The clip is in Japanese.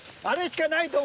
あれしかない！